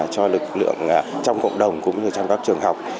cho lực lượng trong cộng đồng cũng như trong các trường học